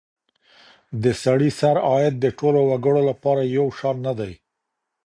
د سړي سر عايد د ټولو وګړو لپاره يو شان نه دی.